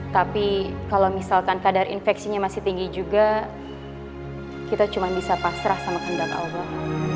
tapi kalau misalkan kadar infeksinya masih tinggi juga kita cuma bisa pasrah sama kehendak allah